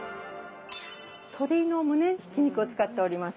鶏のむねひき肉を使っております。